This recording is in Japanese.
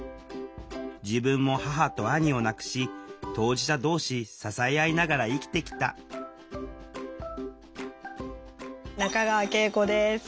自分も母と兄を亡くし当事者同士支え合いながら生きてきた中川圭永子です。